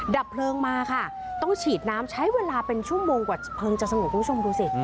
ดับเพลิงมาค่ะต้องฉีดน้ำใช้เวลาเป็นชั่วโมงกว่าเพลิงจะสงบคุณผู้ชมดูสิ